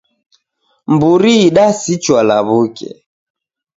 Mburi idasichwa lawuke.